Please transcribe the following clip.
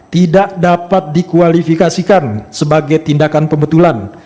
tidak dapat dikualifikasikan sebagai tindakan pembetulan